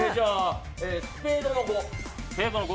スペードの５。